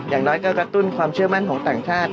อย่างน้อยก็กระตุ้นความเชื่อมั่นของต่างชาติ